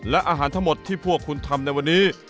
และอาหารทั้งหมดที่พวกคุณทำในวันนี้